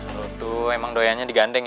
lu tuh emang doyanya digandeng ya